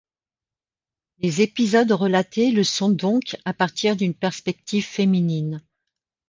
Les épisodes relatés le sont donc à partir d’une perspective féminine.